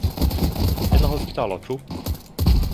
En la hospitalo, ĉu?